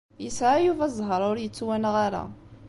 Yesɛa Yuba ẓẓheṛ ur yettwanɣa ara.